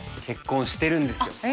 結婚してるんですよ。